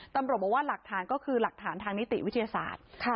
ตำรวจบอกว่าหลักฐานก็คือหลักฐานทางนิติวิทยาศาสตร์